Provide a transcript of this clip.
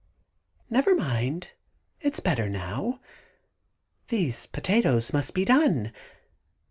"] "Never mind, it's better now. Those potatoes must be done.